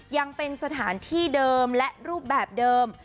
ยังเป็นสถานที่เดิมและรูปแบบเดิม